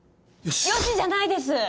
「よし」じゃないです。